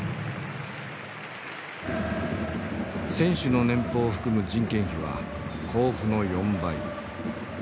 選手の年俸を含む人件費は甲府の４倍。